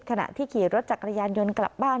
ขณะที่ขี่รถจักรยานยนต์กลับบ้าน